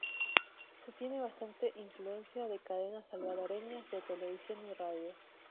Se tiene bastante influencia de cadenas Salvadoreñas de televisión y radio.